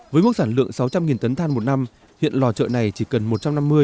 với mức sản lượng sáu trăm linh tấn than một năm hiện lò chợ này chỉ cần một trăm năm mươi